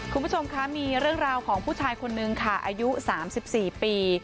คุณผู้ชมคะมีเรื่องราวของผู้ชายคนนึงค่ะอายุ๓๔ปี